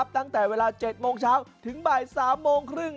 ตั้งแต่เวลา๗โมงเช้าถึงบ่าย๓โมงครึ่ง